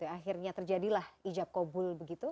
akhirnya terjadilah ijab kabul